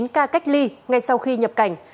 một mươi chín ca cách ly ngay sau khi nhập cảnh